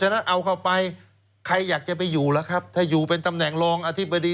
ถูกล่ะครับถ้าอยู่เป็นตำแหน่งรองอธิบดี